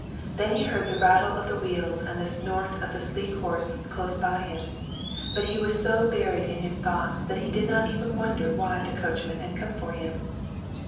Then he heard the rattle of the wheels and the snort of the sleek horse close by him. But he was so buried in his thoughts that he did not even wonder why the coachman had come for him.